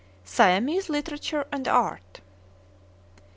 XXI. SIAMESE LITERATURE AND ART.